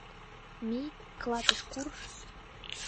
Мий, клатыш курж.